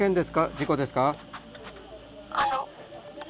事故ですか？